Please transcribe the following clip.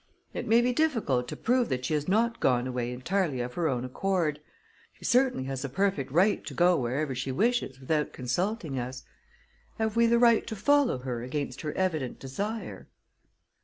It may be difficult to prove that she has not gone away entirely of her own accord. She certainly has a perfect right to go wherever she wishes without consulting us. Have we the right to follow her against her evident desire?"